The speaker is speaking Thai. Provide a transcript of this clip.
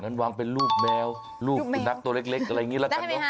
นั้นวางเป็นรูปแมวรูปสุนัขตัวเล็กอะไรอย่างนี้แล้วกัน